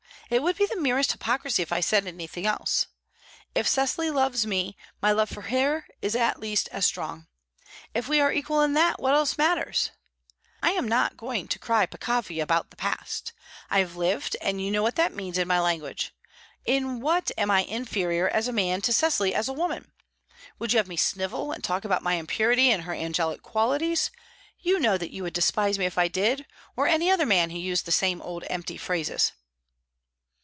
It would be the merest hypocrisy if I said anything else. If Cecily loves me, my love for her is at least as strong. If we are equal in that, what else matters? I am not going to cry Peccavi about the past. I have lived, and you know what that means in my language. In what am I inferior as a man to Cecily as a woman? Would you have me snivel, and talk about my impurity and her angelic qualities? You know that you would despise me if I did or any other man who used the same empty old phrases."